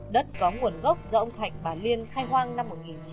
đất có nguồn gốc do ông thạch bà liên khai hoang năm một nghìn chín trăm bảy mươi